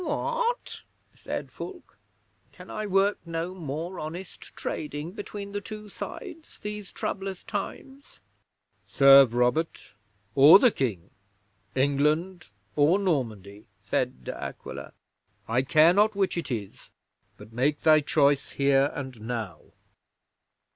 '"What?" said Fulke. "Can I work no more honest trading between the two sides these troublous times?" '"Serve Robert or the King England or Normandy," said De Aquila. "I care not which it is, but make thy choice here and now."